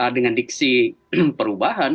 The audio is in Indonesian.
dengan diksi perubahan